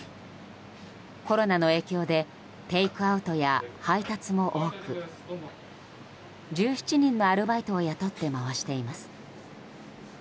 コロナの影響でテイクアウトや配達も多く１７人のアルバイトを雇って回しています。